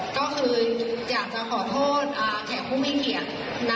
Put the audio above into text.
ก็คืออยากจะขอโทษแขกผู้มีเกียรติ